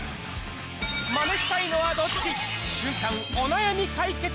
マネしたいのはどっち？